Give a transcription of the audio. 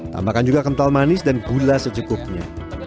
tambahkan juga kental manis dan gula secukupnya